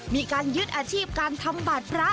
มีการยึดอาชีพการทำบัตรพระ